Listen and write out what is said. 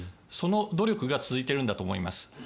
その努力が続いているんだと思います。